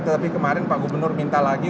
tetapi kemarin pak gubernur minta lagi